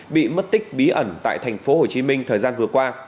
bị mất tích bí ẩn tại tp hcm thời gian vừa qua